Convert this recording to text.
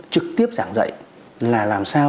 trực tiếp giảng dạy là làm sao